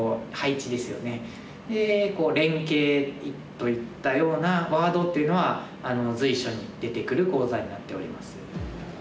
といったようなワードっていうのは随所に出てくる講座になっております。